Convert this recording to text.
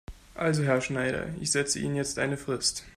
Also Herr Schneider, ich setze Ihnen jetzt eine Frist.